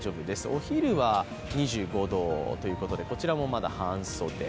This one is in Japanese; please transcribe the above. お昼は２５度ということでこちらもまた半袖。